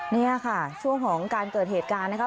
นี่ค่ะช่วงของการเกิดเหตุการณ์นะคะ